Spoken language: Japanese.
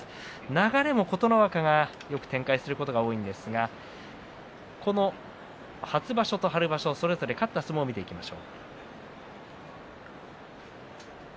流れも琴ノ若がよく展開することが多いんですがこの初場所と春場所、それぞれ勝った相撲を見ていきます。